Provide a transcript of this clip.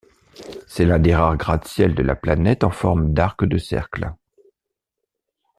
C'est l'un des rares gratte-ciel de la planète en forme d'arc de cercle.